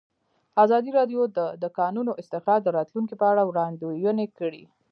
ازادي راډیو د د کانونو استخراج د راتلونکې په اړه وړاندوینې کړې.